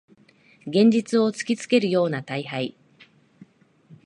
現実を突きつけるような大敗